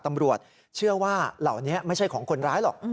ตำรวจเชื่อว่าเหล่านี้ไม่ใช่ของคนร้ายหรอก